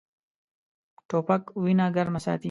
توپک وینه ګرمه ساتي.